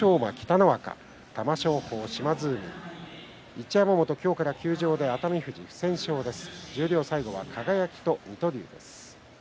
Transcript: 一山本、今日から休場で熱海富士、不戦勝です。